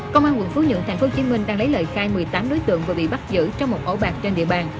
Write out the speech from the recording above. công an quận phú nhuận tp hcm đang lấy lời khai một mươi tám đối tượng vừa bị bắt giữ trong một ổ bạc trên địa bàn